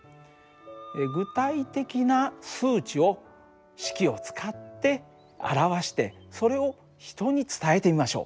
具体的な数値を式を使って表してそれを人に伝えてみましょう。